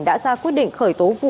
đã ra quyết định khởi tố vụ án khởi tố